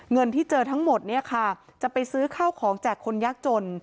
เงินที่เจอทั้งหมดเนี่ยค่ะจะไปซื้อข้าวของแจกคนยากจน